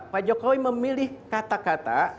pak jokowi memilih kata kata